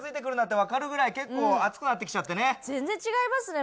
全然違いますね